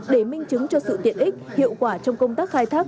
để minh chứng cho sự tiện ích hiệu quả trong công tác khai thác